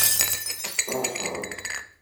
Tfeṛḥeḍ?